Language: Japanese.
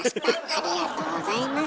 ありがとうございます。